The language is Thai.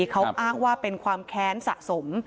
เขาอ้างว่าเป็นความแค้นสะสม